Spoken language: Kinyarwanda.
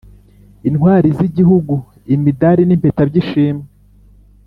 Intwari z Igihugu Imidari n Impeta by Ishimwe